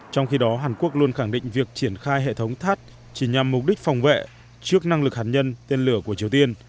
trong khi đó hàn quốc luôn khẳng định việc triển khai hệ thống tháp chỉ nhằm mục đích phòng vệ trước năng lực hạt nhân tên lửa của triều tiên